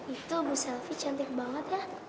itu bu selfie cantik banget